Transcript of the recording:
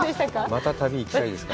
また旅行きたいですか？